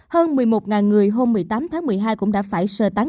hơn một mươi một người hôm một mươi tám tháng một mươi hai cũng đã phải sơ tán